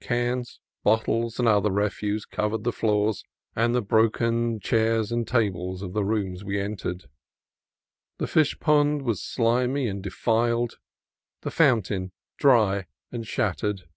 Cans, bottles, and other refuse covered the floors and the broken chairs and tables of the rooms we entered; the fish pond was slimy and defiled; the fountain dry and shattered.